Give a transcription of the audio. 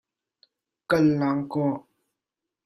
Kal lang kaw.